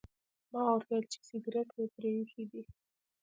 ما ورته وویل چې سګرټ مې پرې ایښي دي.